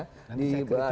nanti saya ketik